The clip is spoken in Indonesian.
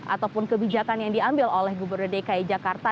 ataupun kebijakan yang diambil oleh gubernur dki jakarta